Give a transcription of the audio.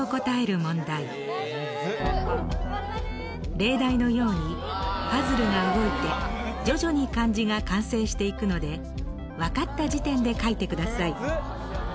例題のようにパズルが動いて徐々に漢字が完成していくのでわかった時点で書いてください。